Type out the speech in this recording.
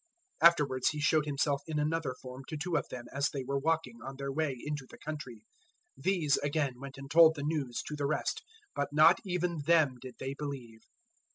016:012 Afterwards He showed Himself in another form to two of them as they were walking, on their way into the country. 016:013 These, again, went and told the news to the rest; but not even them did they believe.